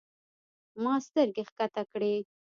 ما سترګې کښته کړې.